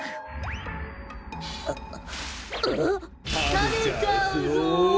たべちゃうぞ！